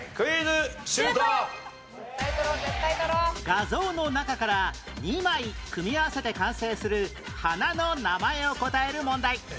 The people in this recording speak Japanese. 画像の中から２枚組み合わせて完成する花の名前を答える問題